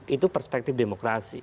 itu perspektif demokrasi